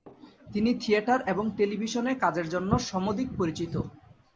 তিনি থিয়েটার এবং টেলিভিশনে কাজের জন্য সমধিক পরিচিত।